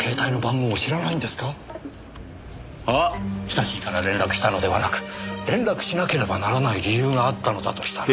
親しいから連絡したのではなく連絡しなければならない理由があったのだとしたら。